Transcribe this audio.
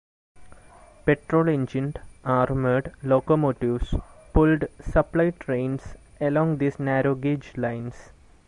Petrol-engined armoured locomotives pulled supply trains along these narrow-gauge lines.